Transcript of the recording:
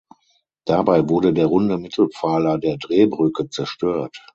Dabei wurde der runde Mittelpfeiler der Drehbrücke zerstört.